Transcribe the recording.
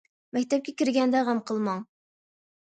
مەكتەپكە كىرگەندە غەم قىلماڭ!